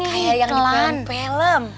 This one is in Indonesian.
kayak yang di film